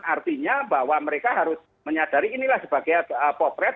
artinya bahwa mereka harus menyadari inilah sebagai potret